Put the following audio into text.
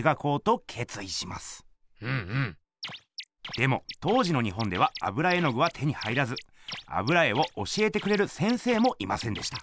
でも当時の日本では油絵の具は手に入らず油絵を教えてくれる先生もいませんでした。